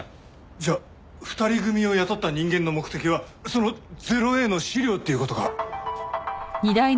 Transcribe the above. じゃあ２人組を雇った人間の目的はその０−Ａの資料っていう事か。